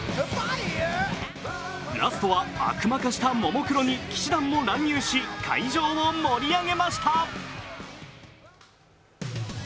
ラストは悪魔化したももクロに氣志團も乱入し会場を盛り上げました。